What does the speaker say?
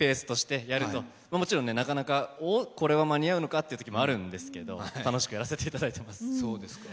でやると、もちろんなかなか、これは間に合うのかというときもあるんですが楽しくやらせていただいています。